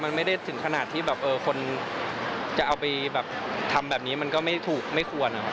มันไม่ได้ถึงขนาดที่แบบคนจะเอาไปแบบทำแบบนี้มันก็ไม่ถูกไม่ควร